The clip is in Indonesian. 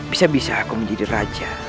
bisa bisa aku menjadi raja